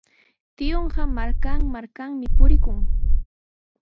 Tiyuuqa markan-markanmi purikun.